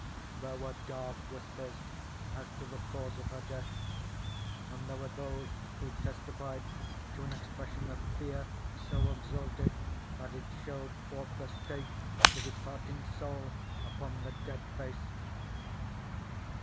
There were dark whispers as to the cause of her death, and there were those who testified to an expression of fear so exalted that it showed forth the state of the departing soul upon the dead face.